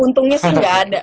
untungnya sih gak ada